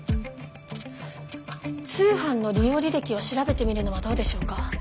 通販の利用履歴を調べてみるのはどうでしょうか。